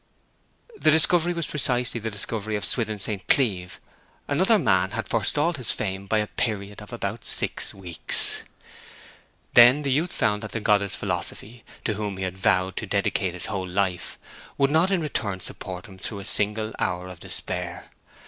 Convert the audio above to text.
The discovery was precisely the discovery of Swithin St. Cleeve. Another man had forestalled his fame by a period of about six weeks. Then the youth found that the goddess Philosophy, to whom he had vowed to dedicate his whole life, would not in return support him through a single hour of despair.